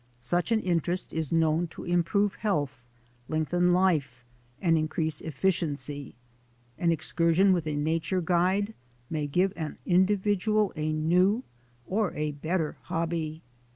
Such an interest is known to improve health, lengthen life, and increase efficiency. An excursion with a na ture guide may give any individual a new or a better hobby.